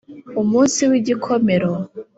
umunsi w’igikomero